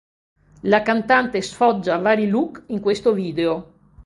La cantante sfoggia vari look in questo video.